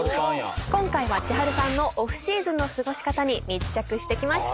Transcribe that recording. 今回はｃｈｉｈａｒｕさんのオフシーズンの過ごし方に密着してきました。